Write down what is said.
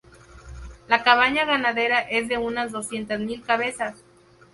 La cabaña ganadera es de unas doscientas mil cabezas.